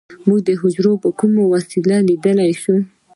موږ حجره په کومه وسیله لیدلی شو